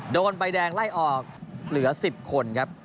โดนใบแดงไล่ออกเหลือ๑๐คนครับ